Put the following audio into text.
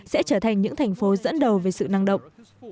sẽ trở thành những thành phố dẫn đầu về sự năng động